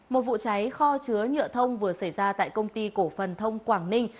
một vụ cháy kho chứa nhựa thông vừa xảy ra tại công ty cổ phần thông quảng ninh